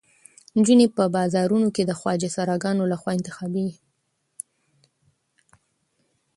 نجونې په بازارونو کې د خواجه سراګانو لخوا انتخابېدې.